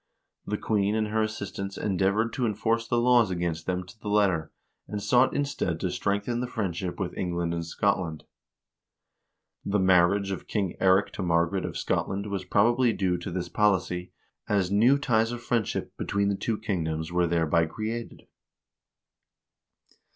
The queen and her assistants endeavored to enforce the laws against them to the letter, and sought instead to strengthen the friendship witli England and Seotland. The marriage of King Eirik to Mar garet of Scotland was probably due to this policy, as new ties of friendship between the two kingdoms wen thereby created.